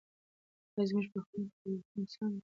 ایا زموږ پخواني قضاوتونه سم دي؟